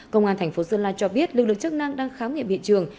công an thành phố sơn la cho biết lực lượng chức năng đang khám nghiệm hiện trường